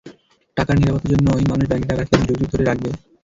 টাকার নিরাপত্তার জন্যই মানুষ ব্যাংকে টাকা রাখে এবং যুগ যুগ ধরে রাখবেও।